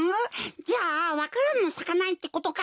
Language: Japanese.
じゃあわか蘭もさかないってことか？